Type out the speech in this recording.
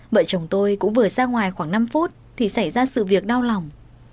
vợ chồng tôi cũng vừa ra ngoài khoảng năm phút thì xảy ra sự việc đau lòng